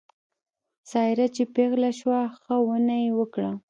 ساره چې پېغله شوه ښه ونه یې وکړه.